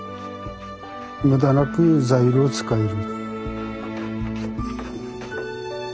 無駄なく材料を使える。